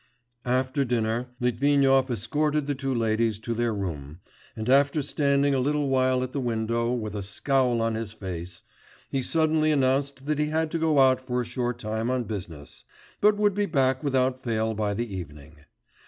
After dinner, Litvinov escorted the two ladies to their room, and after standing a little while at the window with a scowl on his face, he suddenly announced that he had to go out for a short time on business, but would be back without fail by the evening.